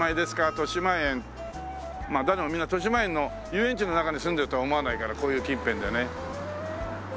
誰もみんなとしまえんの遊園地の中に住んでるとは思わないからこういう近辺ではね。